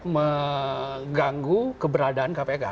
mengganggu keberadaan kpk